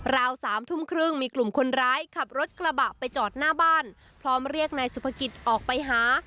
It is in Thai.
สามทุ่มครึ่งมีกลุ่มคนร้ายขับรถกระบะไปจอดหน้าบ้านพร้อมเรียกนายสุภกิจออกไปหา